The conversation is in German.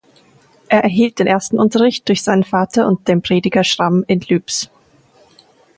Er erhielt den ersten Unterricht durch seinen Vater und dem Prediger Schramm in Lübs.